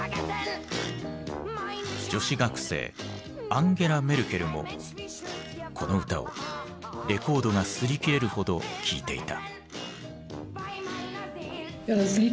女子学生アンゲラ・メルケルもこの歌をレコードがすり切れるほど聴いていた。